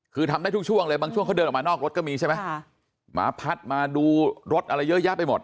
คือทำได้ทุกช่วงเลยบางช่วงเขาเดินออกมานอกรถก็มีใช่ไหมค่ะหมาพัดมาดูรถอะไรเยอะแยะไปหมด